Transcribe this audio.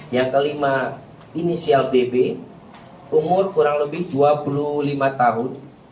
yang kelima inisial db umur kurang lebih dua puluh lima tahun